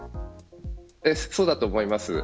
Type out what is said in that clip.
そうだと思います。